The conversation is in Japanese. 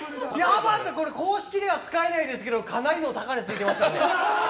これ公式では使えないですけどかなりの高値ついてますからね。